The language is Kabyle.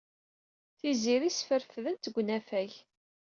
Tiziri sferfden-tt deg unafag.